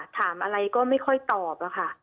ถามอะไรก็ไม่ค่อยตอบ